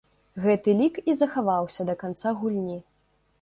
Гэты лік і захаваўся да канца гульні.